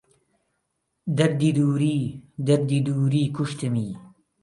دەردی دووری... دەردی دووری کوشتمی